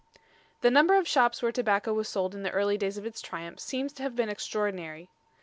The number of shops where tobacco was sold in the early days of its triumph seems to have been extraordinary.